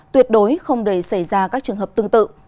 tuyệt đối không để xảy ra các trường hợp tương tự